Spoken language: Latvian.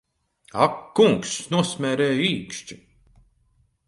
Ak kungs, nosmērēju īkšķi!